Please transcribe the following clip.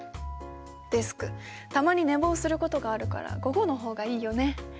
デスクたまに寝坊することがあるから午後の方がいいよね。